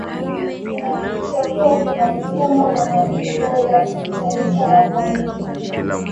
inahakikisha kuwa kuna mifumo ya malipo ya taifa ya kuaminika